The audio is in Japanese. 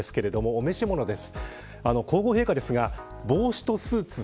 お召しものです。